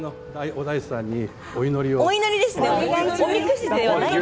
お大師さんにお祈りを。